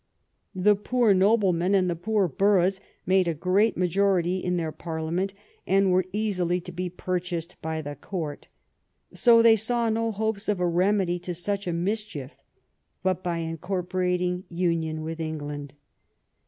The poor noblemen, and the poor boroughs made a great majority in their parliament, and were easily to be purchased by the court; so they saw no hopes of a remedy to such a mischief but by an incorporating union with England.